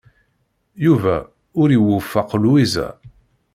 Yuba ur iwufeq Lwiza.